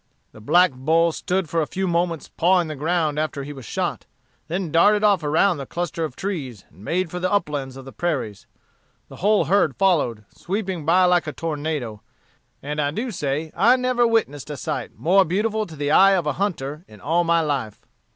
The black bull stood for a few moments pawing the ground after he was shot, then darted off around the cluster of trees, and made for the uplands of the prairies. The whole herd followed, sweeping by like a tornado. And I do say I never witnessed a sight more beautiful to the eye of a hunter in all my life."